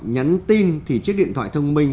nhắn tin thì chiếc điện thoại thông minh